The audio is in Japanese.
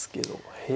へえ。